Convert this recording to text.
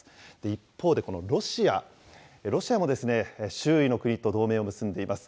一方でこのロシア、ロシアも周囲の国と同盟を結んでいます。